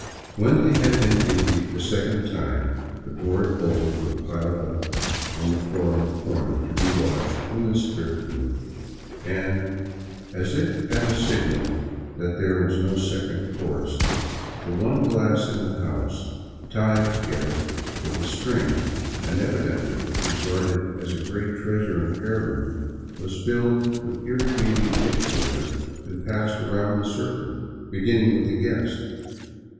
When they had been emptied a second time, the gourd bowls were piled up on the floor in a corner, to be washed when the spirit moved, and, as if at a signal that there was no second course, the one glass in the house, tied together with a string and evidently regarded as 242 THE WILDS OF NORTHERN PERU a great treasure and heirloom, was filled with irrigating ditchwater and passed around the circle, beginning with the guest.